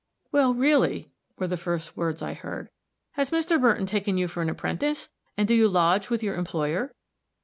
"Well, really," were the first words I heard, "has Mr. Burton taken you for an apprentice, and do you lodge with your employer?"